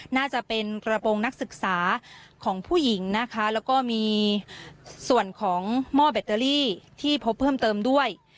น่าจะเป็นกระโปรงนักศึกษาของผู้หญิงนะคะแล้วก็มีส่วนของหม้อแบตเตอรี่ที่พบเพิ่มเติมด้วย